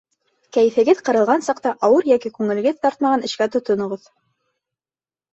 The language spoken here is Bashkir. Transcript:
Кәйефегеҙ ҡырылған саҡта ауыр йәки күңелегеҙ тартмаған эшкә тотоноғоҙ.